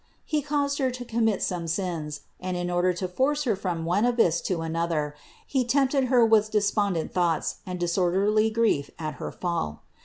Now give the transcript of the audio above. He caused her to commit some sins and, in order to force her from one abyss into another, he tempted her with despondent thoughts and disorderly grief at her fall.